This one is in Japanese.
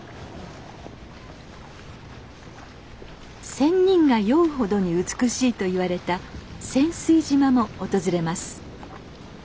仙人が酔うほどに美しいといわれた仙酔島も訪れます。